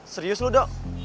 serius lu dok